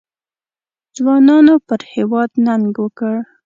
ځوانانو پر هېواد ننګ وکړ.